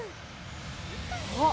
あっ！